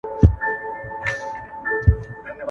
په هغه وخت کي ملي ګټو ته زيان ورسېد.